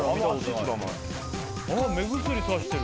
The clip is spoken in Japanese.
目薬さしてる。